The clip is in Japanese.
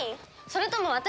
それとも私？